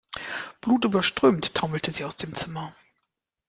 Blutüberströmt taumelte sie aus dem Zimmer.